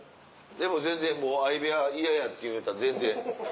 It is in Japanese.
でも全然相部屋嫌やっていうんやったら全然。